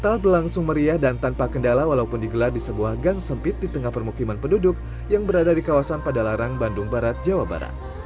natal berlangsung meriah dan tanpa kendala walaupun digelar di sebuah gang sempit di tengah permukiman penduduk yang berada di kawasan padalarang bandung barat jawa barat